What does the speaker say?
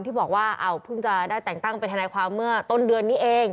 ที่บอกว่าเพิ่งจะได้แต่งตั้งเป็นทนายความเมื่อต้นเดือนนี้เอง